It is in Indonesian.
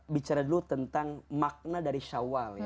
bicara dulu tentang makna dari syawal ya